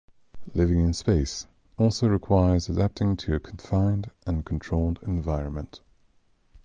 Living in space also requires adapting to a confined and controlled environment.